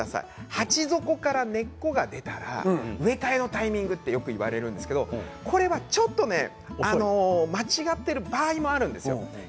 鉢底から根っこが出たら植え替えのタイミングとよくいわれるんですけれどもこれはちょっと間違っている場合もあるんです。